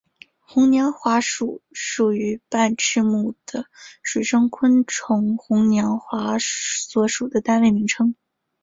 红娘华属属于半翅目的水生昆虫红娘华所属的单位名称。